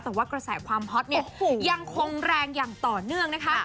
แต่ว่ากระแสความฮอตเนี่ยยังคงแรงอย่างต่อเนื่องนะคะ